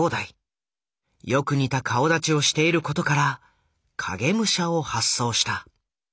よく似た顔だちをしていることから「影武者」を発想した。